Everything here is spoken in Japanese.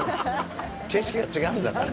景色が違うんだから。